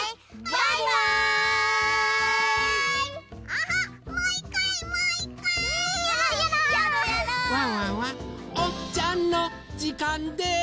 ワンワンはおちゃのじかんです。